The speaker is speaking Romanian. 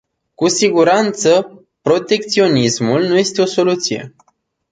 Cu siguranță protecționismul nu este o soluție.